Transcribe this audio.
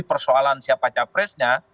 persoalan siapa cawapresnya